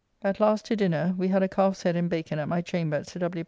At last to dinner, we had a calf's head and bacon at my chamber at Sir W.